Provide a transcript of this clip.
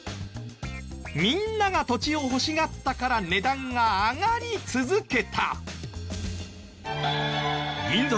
みんなが土地を欲しがったから値段が上がり続けた。